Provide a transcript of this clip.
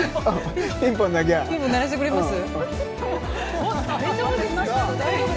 ピンポン鳴らしてくれます？